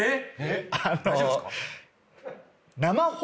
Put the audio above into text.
大丈夫ですか？